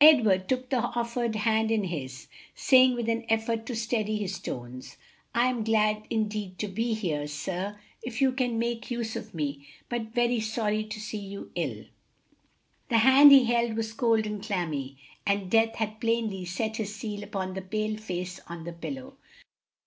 Edward took the offered hand in his, saying with an effort to steady his tones, "I am glad indeed to be here, sir, if you can make use of me, but very sorry to see you so ill." The hand he held was cold and clammy, and death had plainly set his seal upon the pale face on the pillow.